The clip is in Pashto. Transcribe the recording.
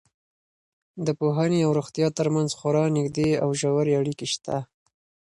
د پوهنې او روغتیا تر منځ خورا نږدې او ژورې اړیکې شته.